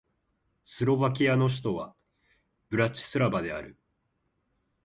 スロバキアの首都はブラチスラバである